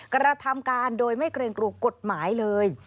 กระทำการโดยไม่เกรงกลัวกฎหมายเลย